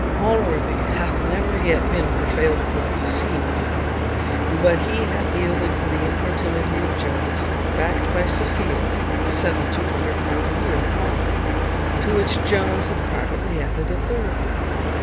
Allworthy hath never yet been prevailed upon to see Blifil, but he hath yielded to the importunity of Jones, backed by Sophia, to settle £200 a year upon him; to which Jones hath privately added a third.